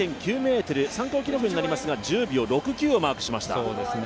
参考記録になりますが、１０秒６９をマークしました。